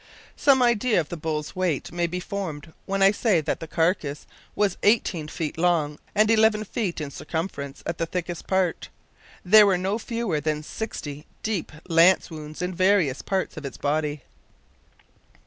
Some idea of the bull's weight may be formed when I say that the carcass was eighteen feet long and eleven feet in circumference at the thickest part. There were no fewer than sixty deep lance wounds in various parts of its body.